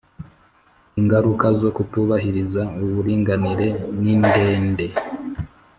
Ingaruka zo kutubahiriza uburinganire nindende